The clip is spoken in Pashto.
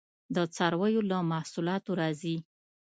د څارویو له محصولاتو راځي